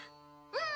うん。